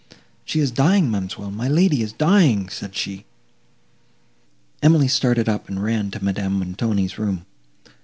"She is dying, ma'amselle, my lady is dying!" said she. Emily started up, and ran to Madame Montoni's room.